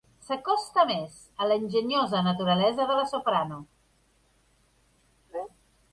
S'acosta més a l'enginyosa naturalesa de la soprano.